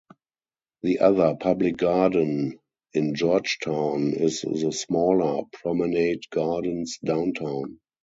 The other public garden in Georgetown is the smaller Promenade Gardens downtown.